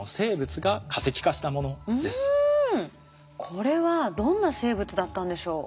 これはどんな生物だったんでしょう？